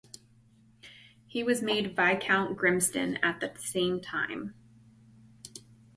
He was made Viscount Grimston at the same time.